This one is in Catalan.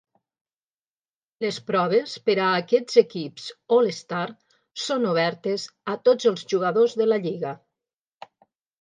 Les proves per a aquests equips All-Star són obertes a tots els jugadors de la lliga.